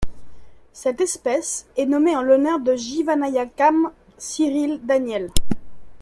Cette espèce est nommée en l'honneur de Jivanayakam Cyril Daniel.